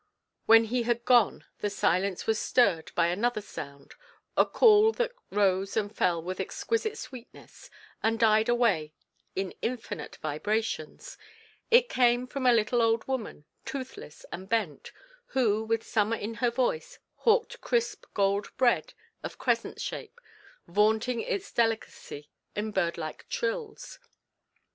When he had gone the silence was stirred by another sound, a call that rose and fell with exquisite sweetness and died away in infinite vibrations: it came from a little old woman, toothless and bent, who, with summer in her voice, hawked crisp gold bread of crescent shape, vaunting its delicacy in birdlike trills.